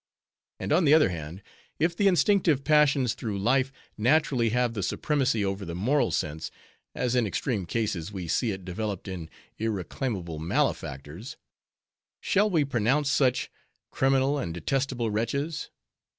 And on the other hand, if the instinctive passions through life naturally have the supremacy over the moral sense, as in extreme cases we see it developed in irreclaimable malefactors,—shall we pronounce such, criminal and detestable wretches?